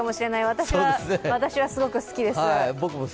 私はすごく好きです。